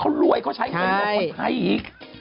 เขารวยเขาใช้เงินบอกคนให้อีก